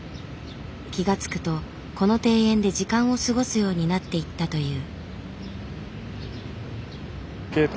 気が付くとこの庭園で時間を過ごすようになっていったという。